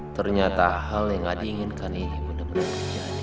ternyata hal yang adi inginkan ini benar benar terjadi